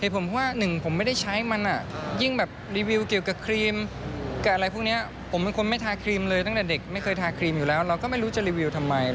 ผมเป็นคนไม่ทาครีมเลยตั้งแต่เด็กไม่เคยทาครีมอยู่แล้วเราก็ไม่รู้จะรีวิวทำไม